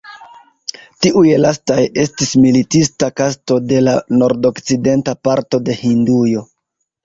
Tiuj lastaj estis militista kasto de la nordokcidenta parto de Hindujo.